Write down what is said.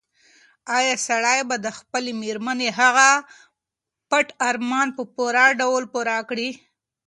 ایا سړی به د خپلې مېرمنې هغه پټ ارمان په پوره ډول پوره کړي؟